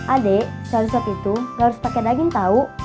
adek sayur sop itu enggak harus pakai daging tau